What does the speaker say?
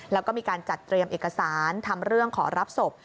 แล้วก็มีการจัดเตรียมเอกสารทำเรื่องขอรับศพ